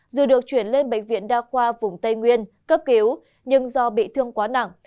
dù được chuyển lên bệnh viện đa khoa vùng tây nguyên cấp cứu nhưng do bị thương quá nặng